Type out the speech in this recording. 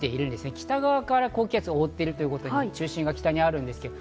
北側から高気圧が覆っているということで中心が北にあります。